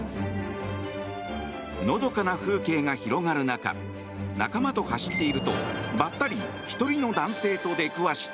のどかな風景が広がる中仲間と走っているとばったり１人の男性と出くわした。